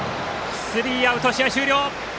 スリーアウト、試合終了！